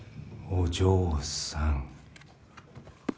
お嬢さん。